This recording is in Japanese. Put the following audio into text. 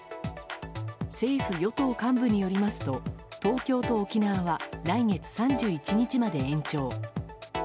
政府・与党幹部によりますと東京と沖縄は来月３１日まで延長。